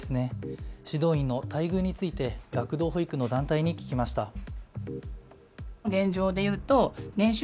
指導員の待遇について学童保育の団体に聞きました。